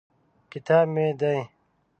کتاب مې دی.